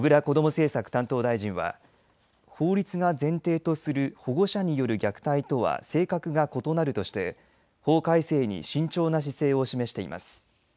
政策担当大臣は法律が前提とする保護者による虐待とは性格が異なるとして法改正に慎重な姿勢を示しています。